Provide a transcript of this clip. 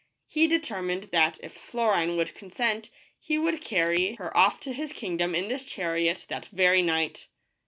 He determined that if Flo rine would consent he would carry THE BLUE BIRD. her off to his kingdom in this chariot that very night.